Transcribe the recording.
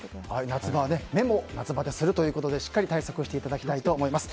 夏場は目も夏バテするということでしっかり対策していただきたいと思います。